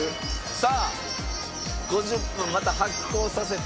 さあ５０分また発酵させて。